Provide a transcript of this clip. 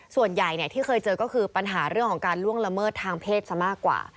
ส่วนใหญ่ที่เคยเจอก็คือปัญหาเรื่องของการล่วงละเมิดทางเพศซะมากกว่า